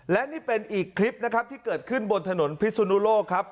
และนี่เป็นอีกคลิปนะครับที่เกิดขึ้นบนถนนพิสุนุโลกครับ